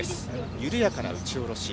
緩やかな打ち下ろし。